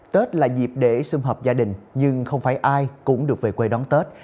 tết là dịp để xung hợp gia đình nhưng không phải ai cũng được về quê đón tết